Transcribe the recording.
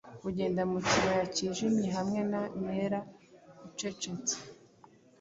Kugenda mu kibaya cyijimye Hamwe na Mela ucecetse.